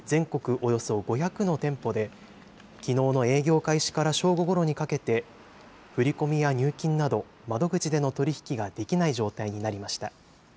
およそ５００の店舗で、きのうの営業開始から正午ごろにかけて、振り込みや入金など、窓口での取り引きができない状態になりました。